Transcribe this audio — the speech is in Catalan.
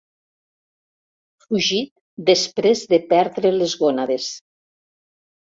Fugit després de perdre les gònades.